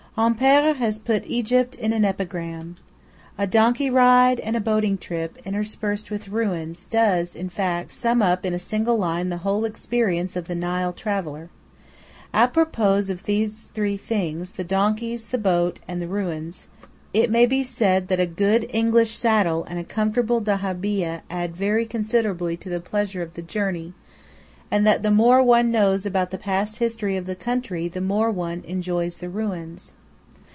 AMPÈRE has put Egypt in an epigram. "A donkey ride and a boating trip interspersed with ruins" does, in fact, sum up in a single line the whole experience of the Nile traveller. Àpropos of these three things – the donkeys, the boat, and the ruins – it may be said that a good English saddle and a comfortable dahabeeyah add very considerably to the pleasure of the journey; and that the more one knows about the past history of the country, the more one enjoys the ruins.